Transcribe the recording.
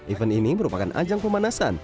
event ini merupakan ajang pemanasan